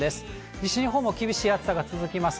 西日本も厳しい暑さが続きます。